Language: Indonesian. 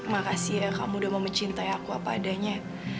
makasih ya kamu udah mau mencintai aku apa adanya